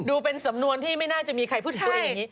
ดูเป็นสำนวนที่ไม่น่าจะมีใครพูดถึงตัวเองอย่างนี้